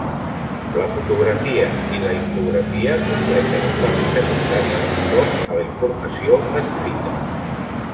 La fotografia i la infografia compleixen un paper secundari de suport a la informació escrita.